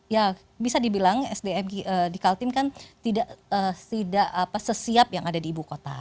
ya bisa dibilang sdm di kaltim kan tidak sesiap yang ada di ibu kota